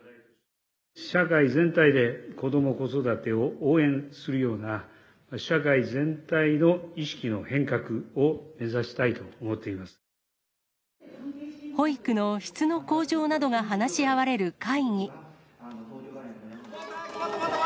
社会全体で子ども・子育てを応援するような社会全体の意識の保育の質の向上などが話し合われる会議。